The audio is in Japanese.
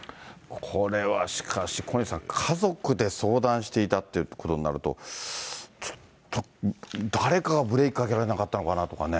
これはしかし、小西さん、家族で相談していたっていうことになると、ちょっと誰かがブレーキかけられなかったのかなとかね。